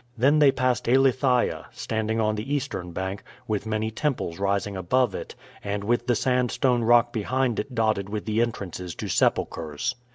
Then they passed Eilithya, standing on the eastern bank, with many temples rising above it, and with the sandstone rock behind it dotted with the entrances to sepulchers.